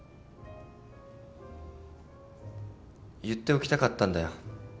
言っておきたかったんだよ。